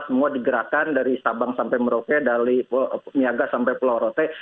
semua digerakkan dari sabang sampai merauke dari niaga sampai pulau rote